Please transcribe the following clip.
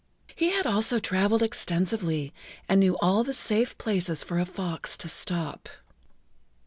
He had also traveled extensively and knew all the safe places for a fox to stop.